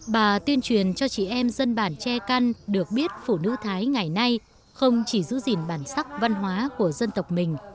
bà tuyên truyền cho chị em dân bản che căn được biết phụ nữ thái ngày nay không chỉ giữ gìn bản sắc văn hóa của dân tộc mình